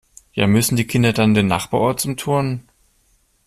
Ja, müssen die Kinder dann in den Nachbarort zum Turnen?